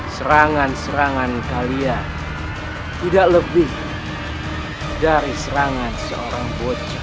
serangan serangan kalia tidak lebih dari serangan seorang bocah